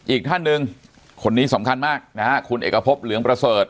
อีกท่านหนึ่งคนนี้สำคัญมากนะฮะคุณเอกพบเหลืองประเสริฐ